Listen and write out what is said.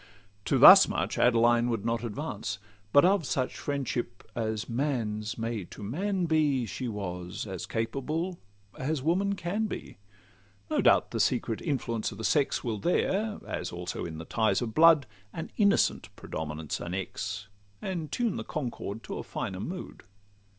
To thus much Adeline would not advance; But of such friendship as man's may to man be She was as capable as woman can be. No doubt the secret influence of the sex Will there, as also in the ties of blood, An innocent predominance annex, And tune the concord to a finer mood.